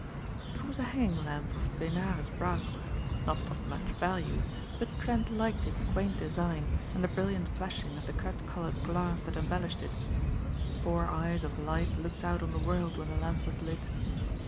It was a hanging lamp of Benares brasswork, not of much value, but Trent liked its quaint design and the brilliant flashing of the cut colored glass that embellished it. Four eyes of light looked out on the world when the lamp was lit.